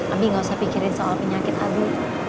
ami gak usah pikirin soal penyakit abi